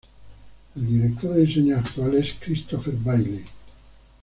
El Director de Diseño actual es Christopher Bailey.